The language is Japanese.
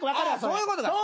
そういうことか。